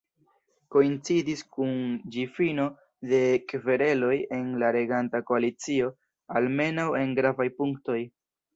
Koincidis kun ĝi fino de kvereloj en la reganta koalicio, almenaŭ en gravaj punktoj.